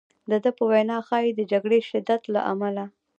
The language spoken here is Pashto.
د ده په وینا ښایي د جګړې شدت له امله.